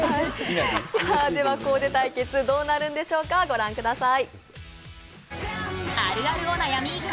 コーデ対決どうなるんでしょうか、御覧ください。